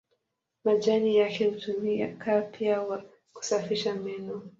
Majani yake hutumika pia kusafisha meno.